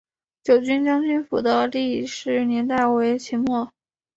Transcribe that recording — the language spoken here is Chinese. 九军将军府的历史年代为明末。